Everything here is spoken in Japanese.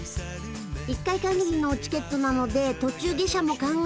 １回限りのチケットなので途中下車も考え